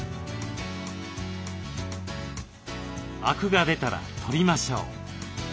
アクが出たら取りましょう。